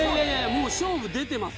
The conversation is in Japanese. もう勝負出てます